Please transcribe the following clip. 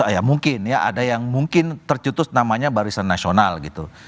ya mungkin ya ada yang mungkin tercutus namanya barisan nasional gitu